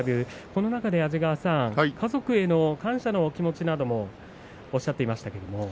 この中で安治川さんは家族への感謝の気持ちなどもおっしゃっていましたけど。